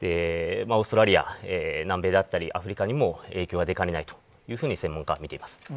オーストラリア、南米であったり、アフリカにも影響が出かねないと、専門家は見ています。